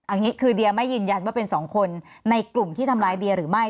เอางี้คือเดียไม่ยืนยันว่าเป็นสองคนในกลุ่มที่ทำร้ายเดียหรือไม่